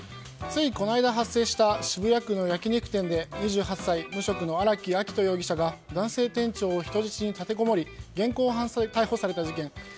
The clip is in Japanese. ついこの間、発生した渋谷区の焼き肉店で２８歳の無職、荒木秋冬容疑者が男性店長を人質に立てこもり現行犯逮捕された事件。